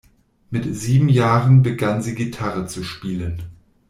Mit sieben Jahren begann sie Gitarre zu spielen.